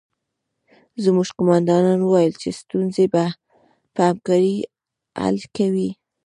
زموږ قومندان وویل چې ستونزې به په همکارۍ حل کوو